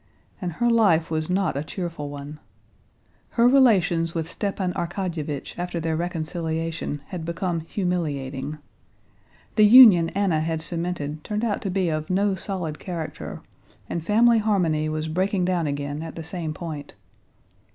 And her life was not a cheerful one. Her relations with Stepan Arkadyevitch after their reconciliation had become humiliating. The union Anna had cemented turned out to be of no solid character, and family harmony was breaking down again at the same point.